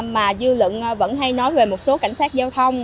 mà dư luận vẫn hay nói về một số cảnh sát giao thông